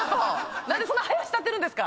何でそんなはやしたてるんですか